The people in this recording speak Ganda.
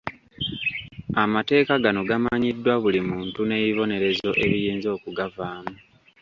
Amateeka gano gamanyiddwa buli muntu n'ebibonerezo ebiyinza okugavaamu.